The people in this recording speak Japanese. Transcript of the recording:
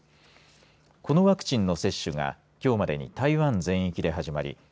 このワクチンの接種がきょうまでに台湾全域で始まり